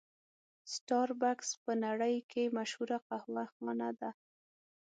سټار بکس په نړۍ کې مشهوره قهوه خانه ده.